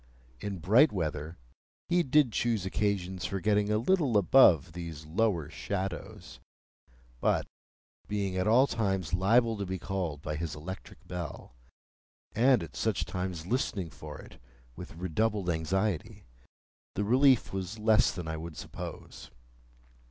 In bright weather, he did choose occasions for getting a little above these lower shadows; but, being at all times liable to be called by his electric bell, and at such times listening for it with redoubled anxiety, the relief was less than I would suppose.